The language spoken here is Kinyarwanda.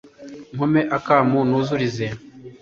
nkome akamu nuzurize